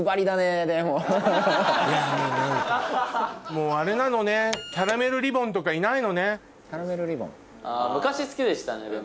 もうあれなのねキャラメルリボンとかいないのね。